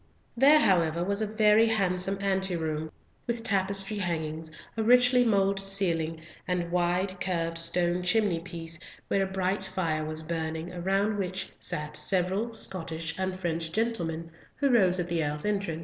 There, however, was a very handsome anteroom, with tapestry hangings, a richly moulded ceiling, and wide carved stone chimneypiece, where a bright fire was burning, around which sat several Scottish and French gentlemen, who rose at the Earl's entrance.